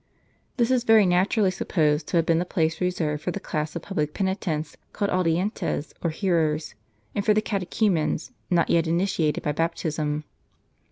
This is very naturally supposed to have been the place reserved for the class of public penitents called audientes or hearers, and for the catechumens, not yet initiated by baptism.